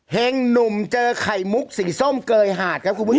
เห็งหนุ่มเจอไข่มุกสีส้มเกยหาดครับคุณผู้ชม